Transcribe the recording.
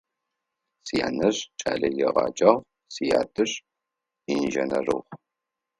Сянэжъ кӏэлэегъэджагъ, сятэжъ инженерыгъ.